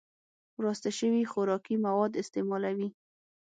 وراسته شوي خوراکي مواد استعمالوي